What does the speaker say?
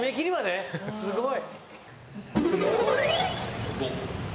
すごい。